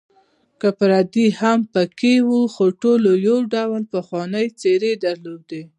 که پردي هم پکې وې، خو ټولو یو ډول پخوانۍ څېرې درلودې.